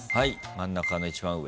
真ん中の一番上。